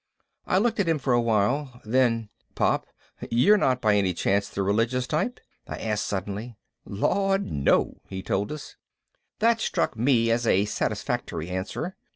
I looked at him for a while. Then, "Pop, you're not by any chance the religious type?" I asked suddenly. "Lord, no," he told us. That struck me as a satisfactory answer.